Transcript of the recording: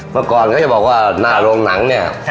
เมื่อก่อนเขาจะบอกว่าหน้าโรงหนังเนี่ย